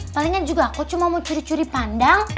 palingan juga aku cuma mau curi curi pandang